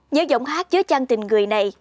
nhớ giọng hát dưới chăn tình người này